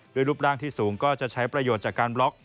รูปร่างที่สูงก็จะใช้ประโยชน์จากการบล็อก